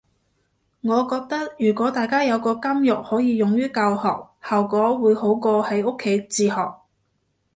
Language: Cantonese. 我覺得如果大家有個監獄可以用於教學，效果會好過喺屋企自學